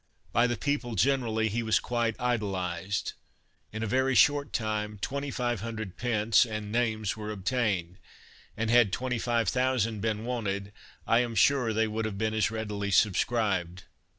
By the people generally, he was quite idolized. In a very short time 2500 pence and names were obtained, and had 25,000 been wanted, I am sure they would have been as readily subscribed.